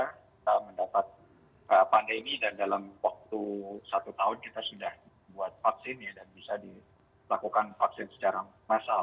kita mendapat pandemi dan dalam waktu satu tahun kita sudah buat vaksin dan bisa dilakukan vaksin secara massal